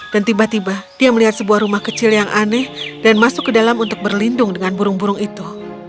dan tiba tiba dia melihat sebuah rumah kecil yang aneh dan masuk ke dalam untuk berlindung dengan burung burung itu